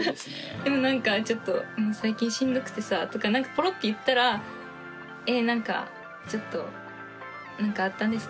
でも何かちょっと「最近しんどくてさ」とか何かポロッて言ったらえ何かちょっと「何かあったんですか？」